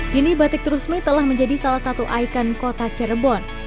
kini batik terusmi telah menjadi salah satu ikon kota cirebon